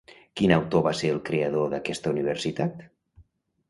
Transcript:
Quin autor va ser el creador d'aquesta universitat?